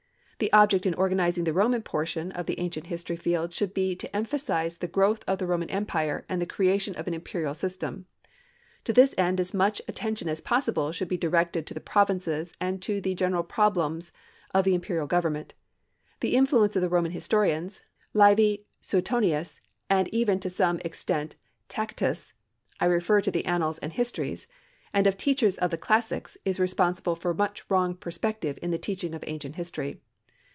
The object in organizing the Roman portion of the Ancient History field should be to emphasize the growth of the Roman empire and the creation of an imperial system. To this end as much attention as possible should be directed to the provinces and to the general problems of the imperial government. The influence of the Roman historians, Livy, Suetonius, and even to some extent of Tacitus (I refer to the annals and histories), and of teachers of the classics is responsible for much wrong perspective in the teaching of Ancient History.